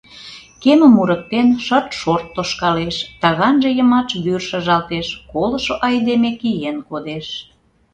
Кемым мурыктен, шырт-шорт тошкалеш, таганже йымач вӱр шыжалтеш, колышо айдеме киен кодеш.